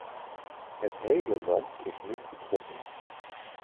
Het hele land is nu getroffen.